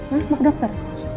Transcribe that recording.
hah mau ke dokter